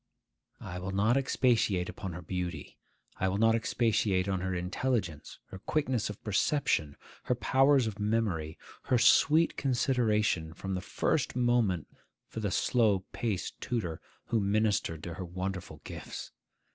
I will not expatiate upon her beauty; I will not expatiate upon her intelligence, her quickness of perception, her powers of memory, her sweet consideration, from the first moment, for the slow paced tutor who ministered to her wonderful gifts.